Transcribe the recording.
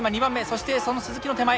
そしてその鈴木の手前